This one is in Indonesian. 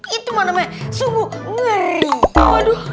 itu mana sungguh ngeri aduh